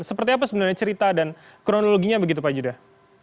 seperti apa sebenarnya cerita dan kronologinya begitu pak judah